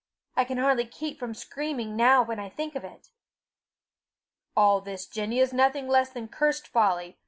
I can hardly keep from screaming now when I think of it." "All this, Jenny, is nothing less than cursed folly.